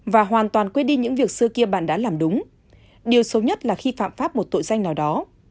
và hoàn toàn quê đi những việc xưa kia bạn đã làm đúng điều xấu nhất là khi phạm pháp một tội danh nào đó